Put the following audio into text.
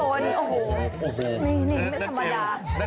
โอ้โหนี่แม่สมัยา